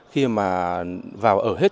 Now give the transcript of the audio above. khi mà vào ở hết